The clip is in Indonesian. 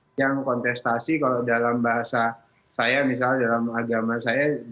yang kontestasi kalau dalam bahasa saya misalnya dalam agama saya